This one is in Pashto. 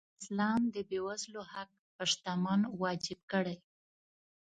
اسلام د بېوزلو حق په شتمن واجب کړی.